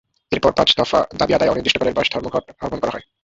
এরপর পাঁচ দফা দাবি আদায়ে অনির্দিষ্টকালের বাস ধর্মঘট আহ্বান করা হয়।